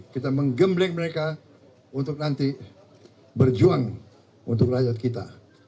kita menggembleng mereka untuk nanti berjuang untuk rakyat kita